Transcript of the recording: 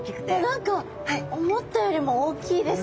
何か思ったよりも大きいですね。